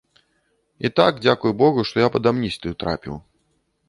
І так, дзякуй богу, што я пад амністыю трапіў.